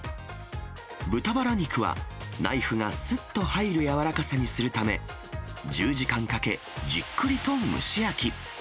豚バラ肉は、ナイフがすっと入る柔らかさにするため、１０時間かけ、じっくりと蒸し焼き。